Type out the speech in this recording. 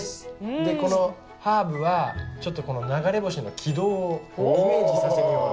でこのハーブは流れ星の軌道をイメージさせるような。